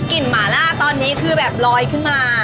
หมาล่าตอนนี้คือแบบลอยขึ้นมา